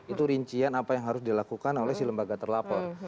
itu rincian apa yang harus dilakukan oleh si lembaga terlapor